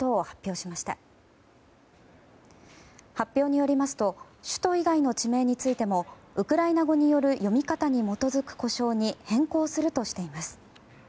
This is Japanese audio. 発表によりますと首都以外の地名についてもウクライナ語による読み方に基づく呼称に変更するとしています。